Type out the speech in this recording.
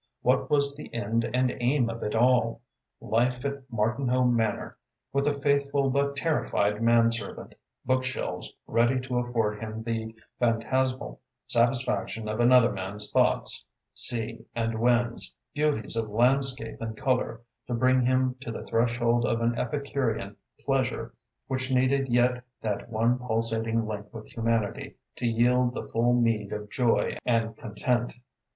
What was the end and aim of it all? Life at Martinhoe Manor, with a faithful but terrified manservant, bookshelves ready to afford him the phantasmal satisfaction of another man's thoughts, sea and winds, beauties of landscape and colour, to bring him to the threshold of an epicurean pleasure which needed yet that one pulsating link with humanity to yield the full meed of joy and content.